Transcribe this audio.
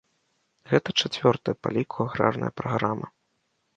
Гэта чацвёртая па ліку аграрная праграма.